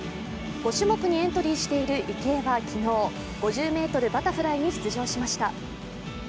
５種目にエントリーしている池江は昨日、５０ｍバタフライに出場しました。